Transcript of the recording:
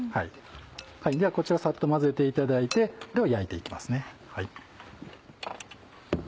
ではこちらサッと混ぜていただいてこれを焼いていきますね。